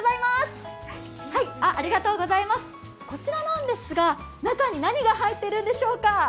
こちらなんですが、中に何が入っているんでしょうか。